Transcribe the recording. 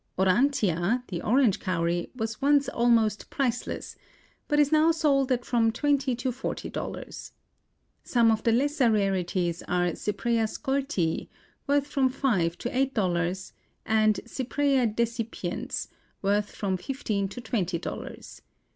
Aurantia, the orange cowry, was once almost priceless, but is now sold at from twenty to forty dollars. Some of the lesser rarities are Cypraea scoltii, worth from five to eight dollars, and Cypraea decipiens, worth from fifteen to twenty dollars.